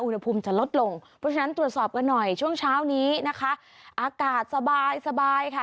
อุณหภูมิจะลดลงเพราะฉะนั้นตรวจสอบกันหน่อยช่วงเช้านี้นะคะอากาศสบายสบายค่ะ